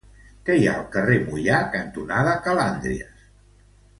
Què hi ha al carrer Moià cantonada Calàndries?